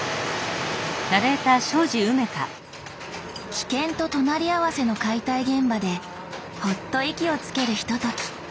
危険と隣り合わせの解体現場でほっと息をつけるひととき。